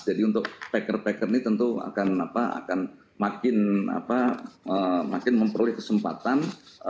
jadi untuk peker peker ini tentu akan makin memperoleh kesempatan